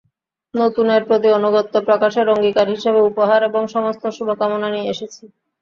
নতুনের প্রতি আনুগত্য প্রকাশের অঙ্গীকার হিসেবে উপহার এবং সমস্ত শুভকামনা নিয়ে এসেছি।